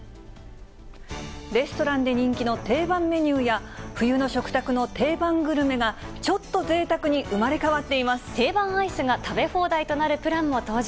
レストランで人気の定番メニューや、冬の食卓の定番グルメが、ちょっとぜいたくに生まれ変わっていま定番アイスが食べ放題となるプランも登場。